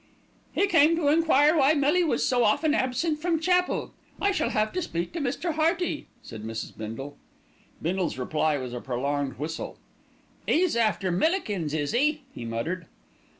"He came to enquire why Millie was so often absent from chapel. I shall have to speak to Mr. Hearty," said Mrs. Bindle. Bindle's reply was a prolonged whistle. "'E's after Millikins, is 'e?" he muttered.